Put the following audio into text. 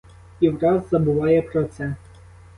І враз забуває про це.